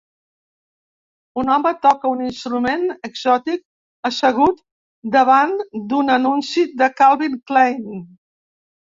Un home toca un instrument exòtic assegut davant d'un anunci de Calvin Klein.